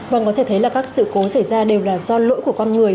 vâng có thể thấy là các sự cố xảy ra đều là do lỗi của con người